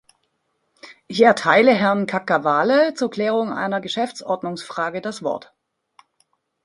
Ich erteile Herrn Caccavale zur Klärung einer Geschäftsordnungsfrage das Wort.